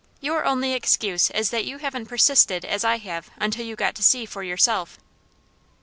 Your only excuse is that you haven't persisted as I have until you got to see for yourself."